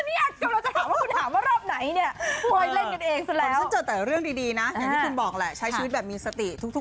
นี่กำลังจะถามว่าคุณถามว่ารอบไหนเนี่ย